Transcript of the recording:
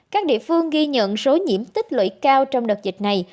các địa phương ghi nhận số nhiễm tích lũy cao trong đợt dịch này